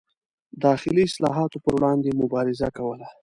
داخلي اصلاحاتو پر وړاندې مبارزه کوله.